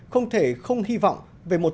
không thể không hy vọng về một